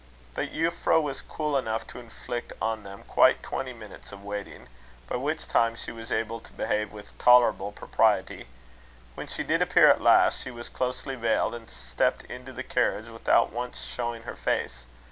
But Euphra was cool enough to inflict on them quite twenty minutes of waiting; by which time she was able to behave with tolerable propriety. When she did appear at last, she was closely veiled, and stepped into the carriage without once showing her face.